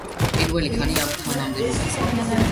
პირველი ქალი ამ თანამდებობაზე.